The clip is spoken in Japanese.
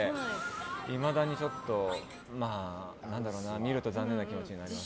いまだにちょっと見ると残念な気持ちになりますね。